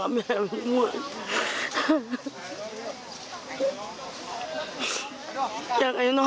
ยังเชื่อว่าลูกมีชีวิตอยู่และอยากให้ปฏิหารเกิดขึ้นค่ะ